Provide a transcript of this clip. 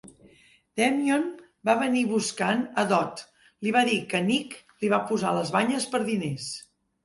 Damion va venir buscant a Dot, li va dir que Nick li va posar les banyes per diners.